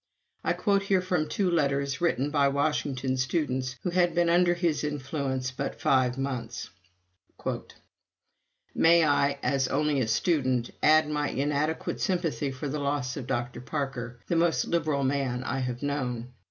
I quote here from two letters written by Washington students who had been under his influence but five months. "May I, as only a student, add my inadequate sympathy for the loss of Dr. Parker the most liberal man I have known.